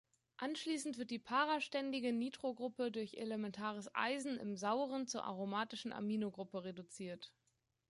Anschließend wird die para-ständige Nitrogruppe durch elementares Eisen im Sauren zur aromatischen Aminogruppe reduziert.